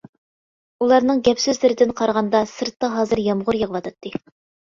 ئۇلارنىڭ گەپ-سۆزلىرىدىن قارىغاندا سىرتتا ھازىر يامغۇر يېغىۋاتاتتى.